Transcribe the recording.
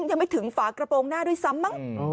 ยังไม่ถึงฝากระโปรงหน้าด้วยซ้ำมั้ง